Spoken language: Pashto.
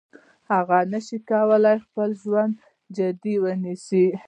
هغه نشي کولای خپل ژوند جدي ونیسي.